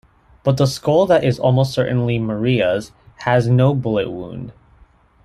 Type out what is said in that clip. But the skull that is almost certainly Maria's has no bullet wound.